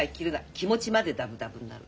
気持ちまでダブダブになる。